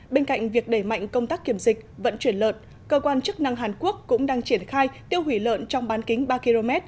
bên cạnh việc đẩy mạnh công tác kiểm dịch vận chuyển lợn cơ quan chức năng hàn quốc cũng đang triển khai tiêu hủy lợn trong bán kính ba km